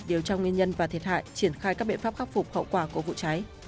điều tra nguyên nhân và thiệt hại triển khai các biện pháp khắc phục hậu quả của vụ cháy